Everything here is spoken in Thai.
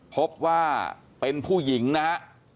พบว่าเป็นผู้หญิงนะฮะ